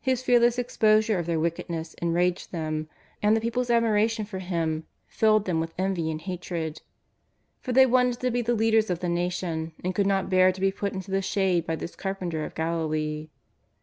His fearless exposure of their wickedness en raged them, and the people's admiration, for Him filled 114 JESUS OF NAZARETH. them with envy and hatred. Por they wanted to be the leaders of the nation, and could not bear to be put into the shade by this carpenter of Galilee.